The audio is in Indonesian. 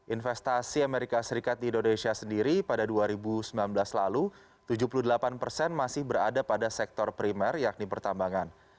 investasi amerika serikat di indonesia sendiri pada dua ribu sembilan belas lalu tujuh puluh delapan persen masih berada pada sektor primer yakni pertambangan